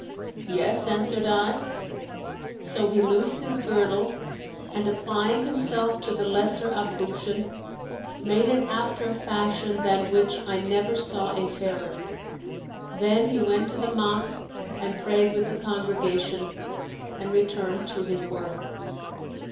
Yes,' answered i. So he loosed his girdle and, applying himself to the lesser ablution, made it after a fashion than which I never saw a fairer;[FN#164] then he went to the mosque and prayed with the congregation and returned to his work.